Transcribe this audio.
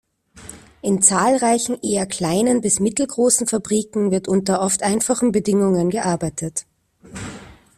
In zahlreichen eher kleinen bis mittelgroßen Fabriken wird unter oft einfachen Bedingungen gearbeitet.